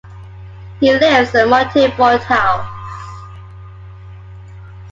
He lives at Monteviot House.